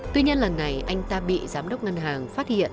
tuy nhiên lần này anh ta bị giám đốc ngân hàng phá